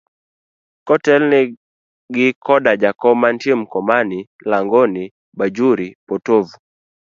Kotelne gi koda jakom mantie Mkomani, Langoni, Bajuri, potovu.